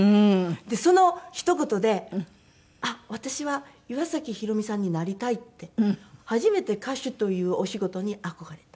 そのひと言であっ私は岩崎宏美さんになりたいって初めて歌手というお仕事に憧れた。